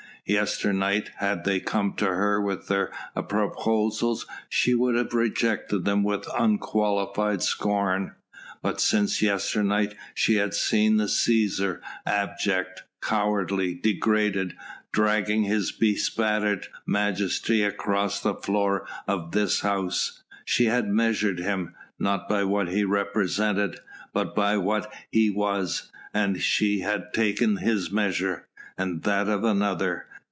Yesternight had they come to her with their proposals she would have rejected them with unqualified scorn; but since yesternight she had seen the Cæsar abject, cowardly, degraded, dragging his bespattered majesty across the floor of this house; she had measured him not by what he represented, but by what he was, and she had taken his measure ... and that of another